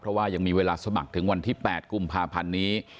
เพราะว่ายังมีเวลาสมัครถึงวันที่๘กุมภาพันธ์นี้